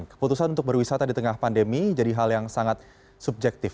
keputusan untuk berwisata di tengah pandemi jadi hal yang sangat subjektif